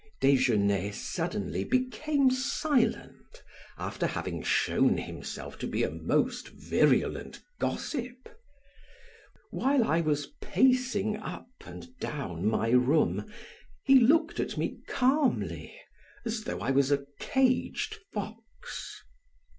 Desgenais suddenly became silent after having shown himself to be a most virulent gossip. While I was pacing up and down my room he looked at me calmly as though I was a caged fox.